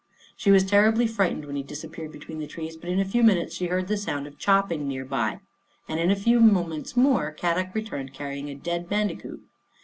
She was terribly frightened when he disappeared between the trees, but in a few minutes she heard the sound of chopping near by, and in a few moments more, Kadok re turned carrying a dead bandicoot.